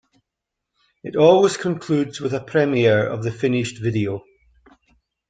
It always concludes with a premiere of the finished video.